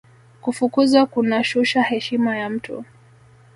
kufukuzwa kunashusha heshima ya mtu